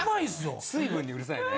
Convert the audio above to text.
・水分にうるさいね